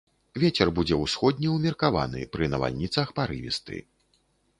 Вецер будзе ўсходні ўмеркаваны, пры навальніцах парывісты.